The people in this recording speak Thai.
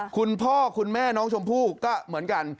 คุณพ่อคุณแม่น้องชมพู่ก็เหมือนกัน